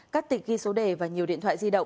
các tịch ghi số đề và nhiều điện thoại di động